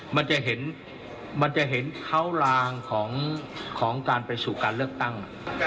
มันจะเห็นเท้าลางของการประสูจน์การเลือกตั้ง